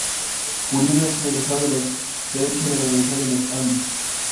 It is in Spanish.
Uribe es egresado de Derecho de la Universidad de los Andes.